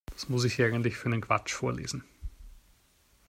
Was muss ich hier eigentlich für einen Quatsch vorlesen?